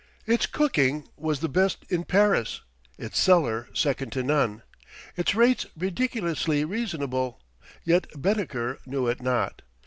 Its cooking was the best in Paris, its cellar second to none, its rates ridiculously reasonable; yet Baedeker knew it not.